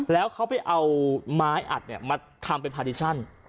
แล้วเขาไปเอาไม้อัดมาทำเป็นพาดิชั่น